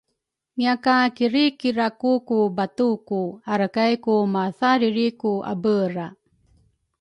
ngiakakirikiraku ku batuku arakay ku mathariri ku abera.